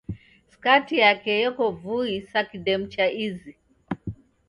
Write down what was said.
Skati yake yeko vui sa kidemu cha izi